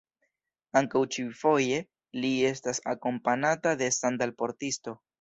Ankaŭ ĉifoje, li estas akompanata de sandal-portisto.